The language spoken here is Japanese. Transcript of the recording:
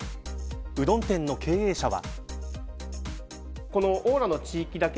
うどん店の経営者は。